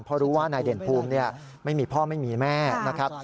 เพราะรู้ว่านายเด่นภูมิไม่มีพ่อไม่มีแม่นะครับ